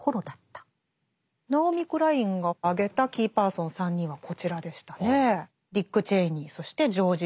ナオミ・クラインが挙げたキーパーソン３人はこちらでしたね。